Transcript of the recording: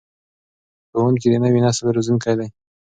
ښوونکي د نوي نسل روزونکي دي.